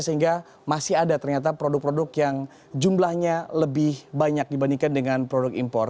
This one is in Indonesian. sehingga masih ada ternyata produk produk yang jumlahnya lebih banyak dibandingkan dengan produk impor